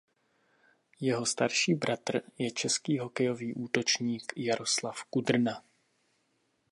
Jeho starší bratr je český hokejový útočník Jaroslav Kudrna.